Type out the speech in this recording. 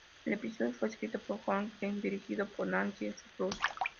El episodio fue escrito por John Frink y dirigido por Nancy Kruse.